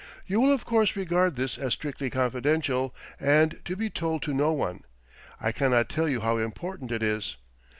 "You will of course regard this as strictly confidential, and to be told to no one. I cannot tell you how important it is."